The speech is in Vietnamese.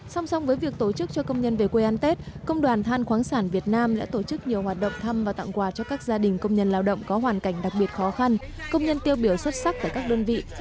song song với việc tổ chức cho công nhân về quê ăn tết công đoàn than khoáng sản việt nam đã tổ chức nhiều hoạt động thăm và tặng quà cho các gia đình công nhân lao động có hoàn cảnh đặc biệt khó khăn công nhân tiêu biểu xuất sắc tại các đơn vị